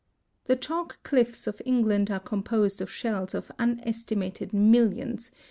The chalk cliffs of England are composed of shells of unestimated millions (Fig.